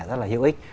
rất là hữu ích